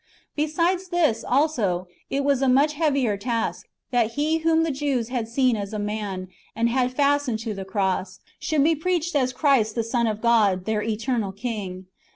Besides this, also, it was a much heavier task, that He whom the Jews had seen as a man, and had fastened to the cross, should be preached as Christ the Son of God, tlieir eternal King.